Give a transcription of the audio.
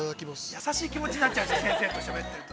◆優しい気持ちになっちゃう、先生としゃべってると。